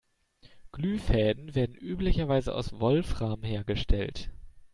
Glühfäden werden üblicherweise aus Wolfram hergestellt.